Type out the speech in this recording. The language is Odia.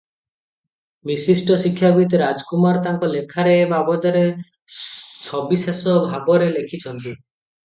ବିଶିଷ୍ଟ ଶିକ୍ଷାବିତ୍ ରାଜ କୁମାର ତାଙ୍କ ଲେଖାରେ ଏ ବାବଦରେ ସବିଶେଷ ଭାବରେ ଲେଖିଛନ୍ତି ।